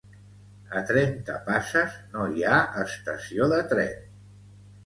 A Trentapasses no hi ha estació de tren